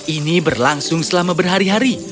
ini berlangsung selama berhari hari